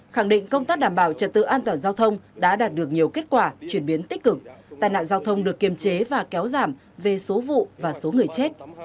khẳng định công tác đảm bảo trật tự an toàn giao thông đã đạt được nhiều kết quả chuyển biến tích cực tài nạn giao thông được kiềm chế và kéo giảm về số vụ và số người chết